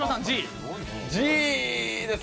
Ｇです。